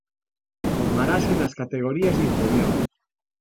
Formarase nas categorías inferiores.